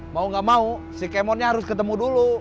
mau nggak mau si kemotnya harus ketemu dulu